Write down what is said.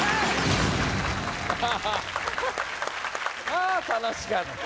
あっ楽しかった